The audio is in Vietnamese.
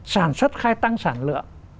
sản xuất khai tăng sản lượng